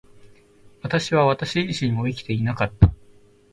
私は私自身を生きていなかった。